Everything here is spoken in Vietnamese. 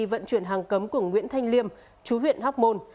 vận chuyển hàng cấm của nguyễn thanh liêm chú huyện hóc môn